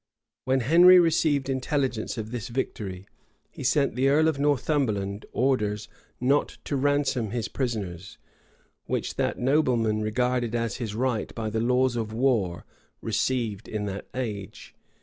[]| When Henry received intelligence of this victory, he sent the earl of Northumberland orders not to ransom his prisoners, which that nobleman regarded as his right by the laws of war received in that age.